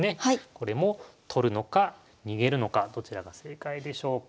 これも取るのか逃げるのかどちらが正解でしょうか。